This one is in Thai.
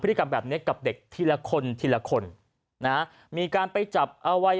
กรรมแบบนี้กับเด็กทีละคนทีละคนนะมีการไปจับเอาไว้